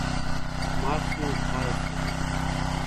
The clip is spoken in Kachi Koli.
ماشلون کائيَ سي۔